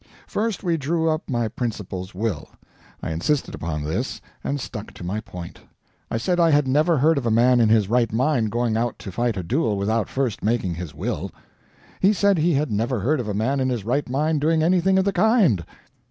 First, we drew up my principal's will. I insisted upon this, and stuck to my point. I said I had never heard of a man in his right mind going out to fight a duel without first making his will. He said he had never heard of a man in his right mind doing anything of the kind.